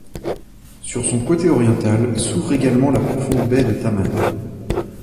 Sur son côté oriental s'ouvre également la profonde baie de Taman.